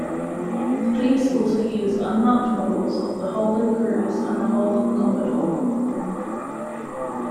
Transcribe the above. The police also use unmarked models of the Holden Cruze and Holden Commodore.